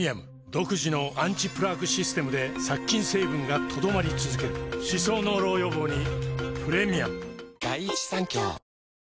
独自のアンチプラークシステムで殺菌成分が留まり続ける歯槽膿漏予防にプレミアム